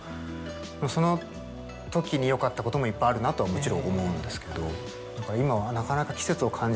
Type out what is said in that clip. そのときによかったこともいっぱいあるなとはもちろん思うんですけど。